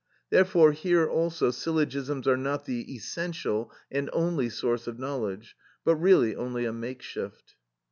Therefore, here also syllogisms are not the essential and only source of knowledge, but really only a makeshift.